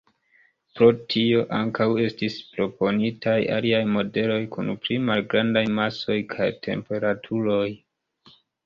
Pro tio, ankaŭ estis proponitaj aliaj modeloj kun pli malgrandaj masoj kaj temperaturoj.